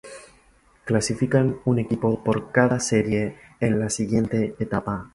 Clasifican un equipo por cada serie en la siguiente etapa.